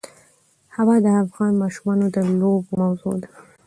هوا د افغان ماشومانو د لوبو موضوع ده.